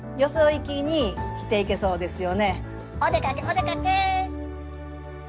お出かけお出かけ！